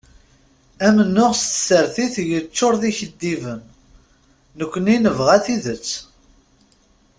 Amennuɣ s tsertit yeččur d ikeddiben, nekkni nebɣa tidet.